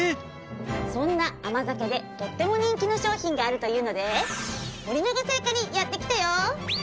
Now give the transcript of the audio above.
そんな甘酒でとっても人気の商品があるというので森永製菓にやって来たよ！